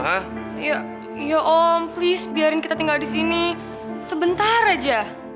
ya ya om please biarin kita tinggal disini sebentar aja